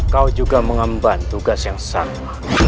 kau juga mengemban tugas yang sama